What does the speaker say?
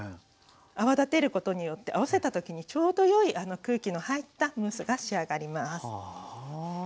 泡立てることによって合わせた時にちょうどよい空気の入ったムースが仕上がります。